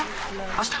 あした？